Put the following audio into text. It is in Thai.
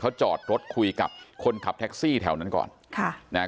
เขาจอดรถคุยกับคนขับแท็กซี่แถวนั้นก่อนค่ะนะฮะ